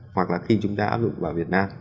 hoặc là khi chúng ta áp dụng vào việt nam